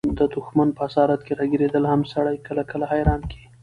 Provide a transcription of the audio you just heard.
د دښمن په اسارت کښي راګیرېدل هم سړى کله – کله حيران کي.